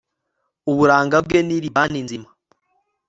uburanga bwe ni libani nzima